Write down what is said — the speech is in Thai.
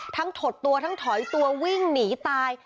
ถดตัวทั้งถอยตัววิ่งหนีตาย